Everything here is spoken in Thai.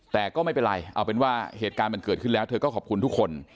แต่ก็ไม่เป็นไรเอาเป็นว่าเหตุการณ์มันเกิดขึ้นแล้วเธอก็ขอบคุณทุกคน